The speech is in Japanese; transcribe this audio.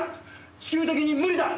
地球的に無理だ！